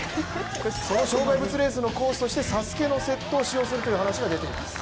その障害物レースのコースとして「ＳＡＳＵＫＥ」のセットを使用するという話が出ています。